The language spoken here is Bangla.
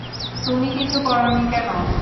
তুমি কিছু করোনি কেন?